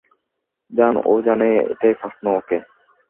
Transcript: জান, ও জানে এটাই প্রশ্ন, ওকে?